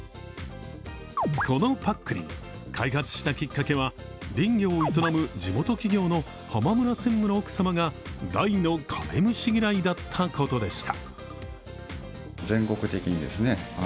このぱっくりん、開発したきっかけは林業を営む地元企業の浜村専務の奥様が大のカメムシ嫌いだったことでした。